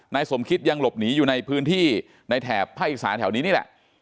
สมคิดยังหลบหนีอยู่ในพื้นที่ในแถบภาคอีสานแถวนี้นี่แหละ